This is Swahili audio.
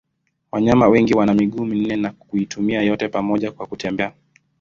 Wanyama wengi wana miguu minne na kuitumia yote pamoja kwa kutembea.